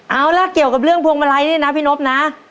เอาล่ะเกี่ยวกับเรื่องพวงมาลัยนี่นะพี่นบนะ